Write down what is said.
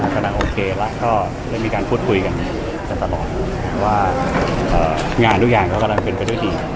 คุยกันกันตลอดว่างานทุกอย่างก็กำลังขึ้นไปด้วยดี